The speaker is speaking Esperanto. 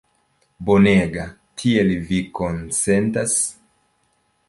Bonega! Tiel, vi konsentas?